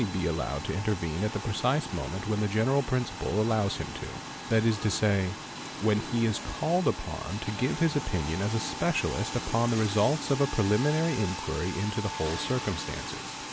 tenet anne nema lie » f n , 7 a lowed to intervene at the precise moment when the general principle lows him to, that is to say, when he is called upon to give his opinion >@ specialist upon the results of a preliminary inquiry into the whole 494 FOOTPRINTS circumstances.